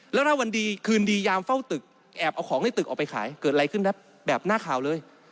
แล้วถ้าวันดีคืนดียามเฝ้าตึกแอบเอาของในตึกออกไปขายเกิดอะไรขึ้นแบบหน้าข่าวเลย